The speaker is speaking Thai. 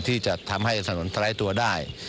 ที่จะทำให้สนทรายตัวได้